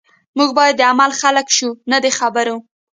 موږ باید د عمل خلک شو نه د خبرو